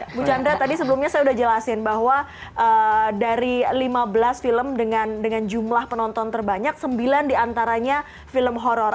ibu chandra tadi sebelumnya saya sudah jelasin bahwa dari lima belas film dengan jumlah penonton terbanyak sembilan diantaranya film horror